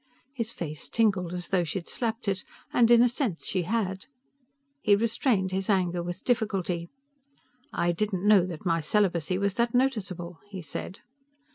His face tingled as though she had slapped it, and in a sense, she had. He restrained his anger with difficulty. "I didn't know that my celibacy was that noticeable," he said.